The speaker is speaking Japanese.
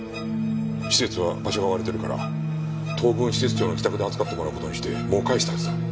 施設は場所が割れてるから当分施設長の自宅で預かってもらう事にしてもう帰したはずだ。